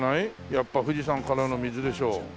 やっぱ富士山からの水でしょ